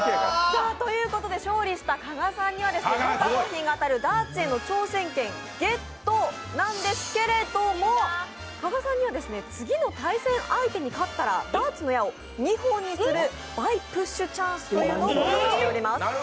勝利した加賀さんには豪華賞品が当たるダーツへの挑戦権ゲットなんですけれども、加賀さんには次の対戦相手に勝ったらダーツの矢を２本にする倍プッシュチャンスとなります。